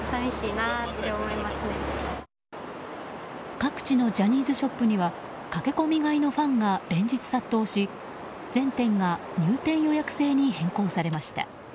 各地のジャニーズショップには駆け込み買いのファンが連日、殺到し全店が入店予約制に変更されました。